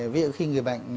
ví dụ khi người bệnh